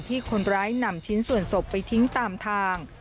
ที่คนร้ายนำชิ้นส่วนศพไปทิ้งตามทาง